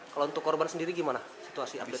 kalau untuk korban sendiri gimana situasi update